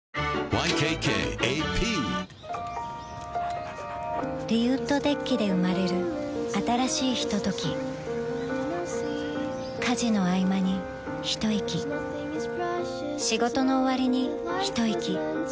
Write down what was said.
ＹＫＫＡＰリウッドデッキで生まれる新しいひととき家事のあいまにひといき仕事のおわりにひといき